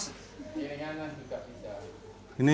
ini engan juga bisa